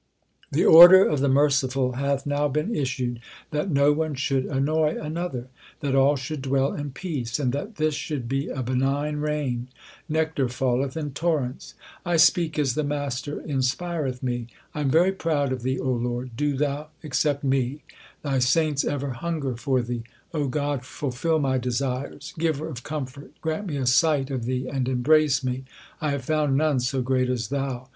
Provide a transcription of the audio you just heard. The order of the Merciful hath now been issued That no one should annoy another ; That all should dwell in peace, and that this should be a benign reign. 2 Nectar falleth in torrents. I speak as the Master inspireth me. I am very proud of Thee, O Lord ; do Thou accept me. Thy saints ever hunger for Thee ; God, fulfil my desires. Giver of comfort, grant me a sight of Thee and embrace me : 1 have found none so great as Thou.